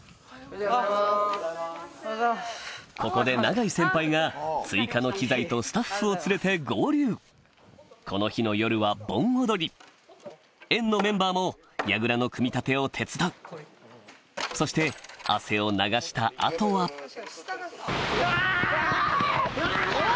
ここで永井先輩が追加の機材とスタッフを連れて合流この日の夜は盆踊り縁のメンバーもそして汗を流した後はうわ！